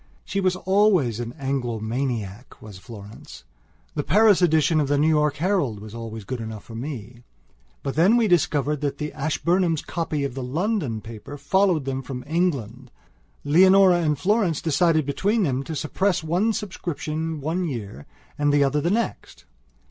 She was always an Anglo maniac, was Florence; the Paris edition of the New York Herald was always good enough for me. But when we discovered that the Ashburnhams' copy of the London paper followed them from England, Leonora and Florence decided between them to suppress one subscription one year and the other the next.